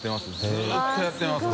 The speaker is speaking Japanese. ずっとやってます